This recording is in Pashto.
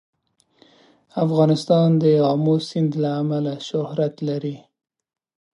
افغانستان د آمو سیند له امله شهرت لري.